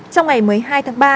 trong ngày một mươi hai tháng ba